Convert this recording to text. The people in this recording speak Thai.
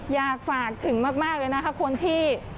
อยากฝากถึงมากเลยนะคะคนที่